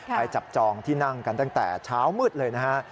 ไปจับจองที่นั่งกันตั้งแต่เช้ามืดเลยนะฮะ